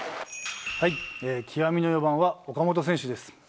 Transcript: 極みの４番は、岡本選手です。